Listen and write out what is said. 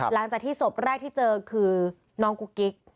หลังจากที่ศพแรกที่เจอคือน้องกุ๊กกิ๊ก